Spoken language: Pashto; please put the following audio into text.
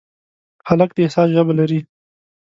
هلک د احساس ژبه لري.